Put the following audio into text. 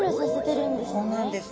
そうなんです。